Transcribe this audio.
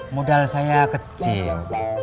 modal saya kecil